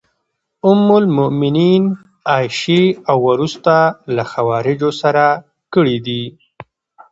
ام المومنین عایشې او وروسته له خوارجو سره کړي دي.